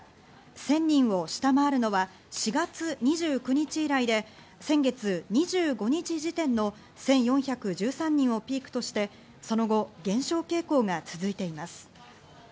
１０００人を下回るのは４月２９日以来で、先月２５日時点の１４１３人をピークとして、その後、減少傾向が続いています。